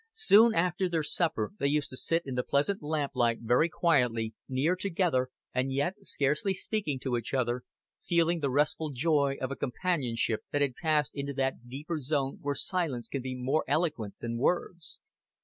So after their supper they used to sit in the pleasant lamplight very quietly, near together and yet scarcely speaking to each other, feeling the restful joy of a companionship that had passed into that deeper zone where silence can be more eloquent than words.